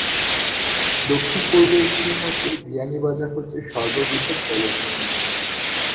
দক্ষিণ পূর্ব এশিয়ার মধ্যে বিয়ানীবাজার হচ্ছে সর্ববৃহৎ তেলের খনি।